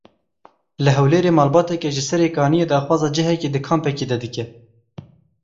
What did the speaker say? Li Hewlêrê malbateke ji Serê Kaniyê daxwaza cihekî di kampekê de dike.